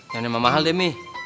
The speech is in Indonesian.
yang emang mahal deh mi